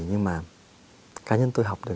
nhưng mà cá nhân tôi học được